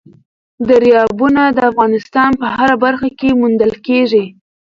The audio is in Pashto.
دریابونه د افغانستان په هره برخه کې موندل کېږي.